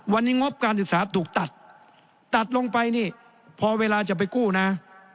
วันนี้งบการศึกษาถูกตัดตัดลงไปนี่พอเวลาจะไปกู้นะ